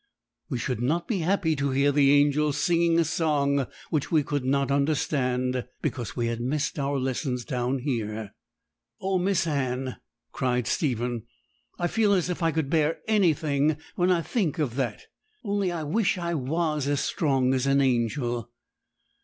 We should not be happy to hear the angels singing a song which we could not understand, because we had missed our lessons down here.' 'Oh, Miss Anne,' cried Stephen, 'I feel as if I could bear anything when I think of that! Only I wish I was as strong as an angel.'